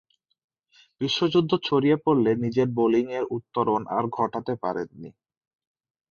বিশ্বযুদ্ধ ছড়িয়ে পড়লে নিজের বোলিংয়ের উত্তরণ আর ঘটাতে পারেননি।